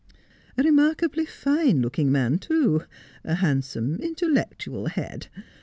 A remarkably fine looking man, too — a handsome, intellectual head.